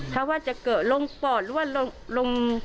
ถ้าว่าจะเกิดลมปอดหรือว่าลม